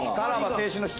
青春の「光」。